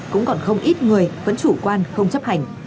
cũng còn không ít người vẫn chủ quan không chấp hành